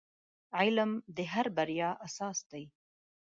• علم د هر بریا اساس دی.